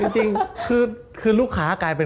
จริงคือลูกค้ากลายเป็น